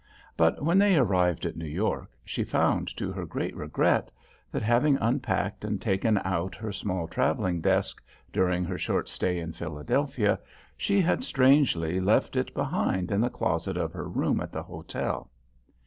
But when they arrived at New York, she found to her great regret, that having unpacked and taken out her small traveling desk, during her short stay in Philadelphia, she had strangely left it behind in the closet of her room at the hotel.